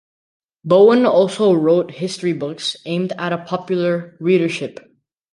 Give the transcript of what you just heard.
Bowen also wrote history books aimed at a popular readership.